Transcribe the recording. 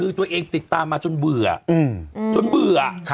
คือตัวเองติดตามมาจนเบื่อจนเบื่อ